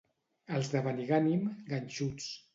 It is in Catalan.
Els de Benigànim, ganxuts.